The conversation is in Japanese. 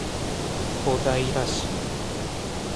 小平市